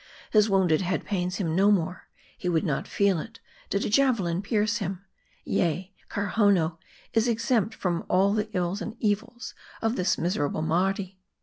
His wounded head pains liim no more ; he* would not feel it, did a javelin pierce him. Yea ; Kar hownoo is exempt from all the ills and evils of this misera ble Mardi